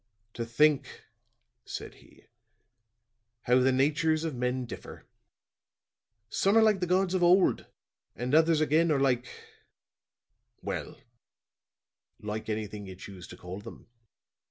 "To think," said he, "how the natures of men differ. Some are like the gods of old, and others again are like well, like anything you choose to call them.